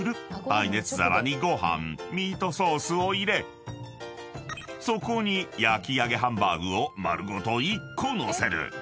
［耐熱皿にご飯ミートソースを入れそこに焼上ハンバーグを丸ごと１個載せる］